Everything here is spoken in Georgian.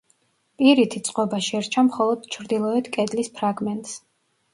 პირითი წყობა შერჩა მხოლოდ ჩრდილოეთ კედლის ფრაგმენტს.